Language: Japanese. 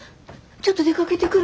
ちょっと出かけてくる。